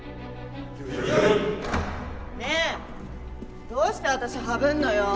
ねえどうして私ハブんのよ。